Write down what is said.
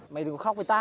mày đừng có khóc với tao